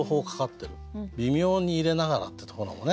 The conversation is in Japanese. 「微妙に入れながら」ってところもね。